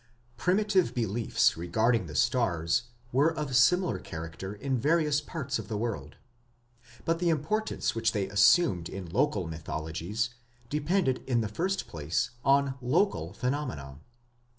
Primitive beliefs regarding the stars were of similar character in various parts of the world. But the importance which they assumed in local mythologies depended in the first place on local phenomena.